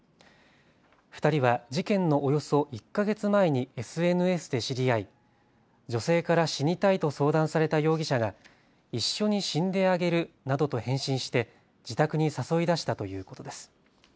２人は事件のおよそ１か月前にＳＮＳで知り合い女性から死にたいと相談された容疑者が一緒に死んであげるなどと返信して自宅に誘い出したということです。